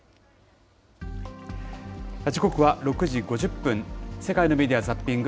時刻は６時５０分、世界のメディア・ザッピング。